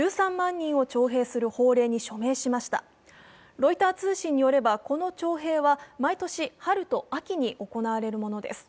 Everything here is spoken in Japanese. ロイター通信によるとこの併合は毎年、春と秋に行われるものです。